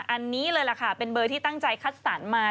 อันนี้เลยล่ะค่ะเป็นเบอร์ที่ตั้งใจคัดสรรมา